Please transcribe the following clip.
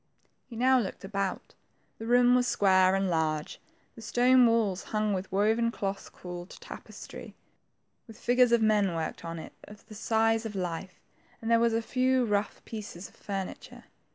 He now looked about. The room was square and large, the stone walls hung with the woven cloth called tapestry, with figures of men worked on it of the size of life, and there were a few rough pieces of furniture.